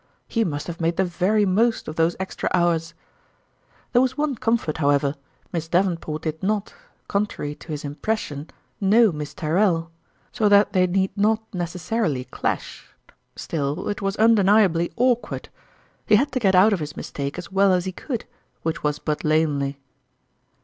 He must have made the very most of those extra hours ! There was one comfort, however, Miss Dav enport did not, contrary to his impression, know Miss Tyrrell ; so that they need not necessarily clash still, it was undeniably awk ward. He had to get out of his mistake as well as he could, which was but lamely.